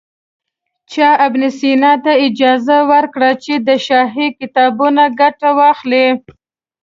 چا ابن سینا ته اجازه ورکړه چې له شاهي کتابتون ګټه واخلي.